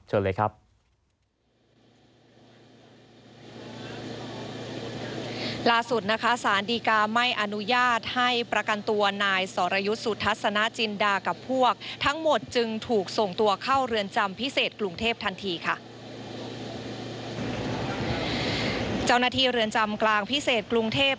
เชิญเลยครับ